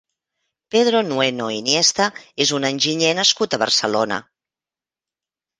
Pedro Nueno Iniesta és un enginyer nascut a Barcelona.